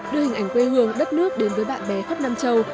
đưa hình ảnh quê hương đất nước đến với bạn bè khắp nam châu